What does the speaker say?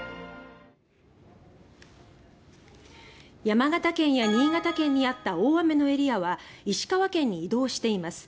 山形県や新潟県にあった大雨のエリアは石川県に移動しています。